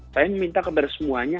saya ingin minta kembali semuanya